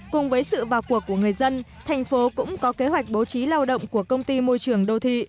cùng với sự vào cuộc của người dân thành phố cũng có kế hoạch bố trí lao động của công ty môi trường đô thị